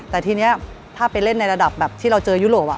แต่ทีนี้ถ้าไปเล่นในระดับแบบที่เราเจอยุโรป